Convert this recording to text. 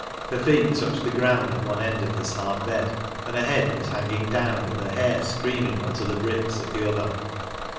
Her ; feet touched the ground at one end of this hard bed, ! and her head was hanging down, with her hair ; streaming on to the bricks, at the other.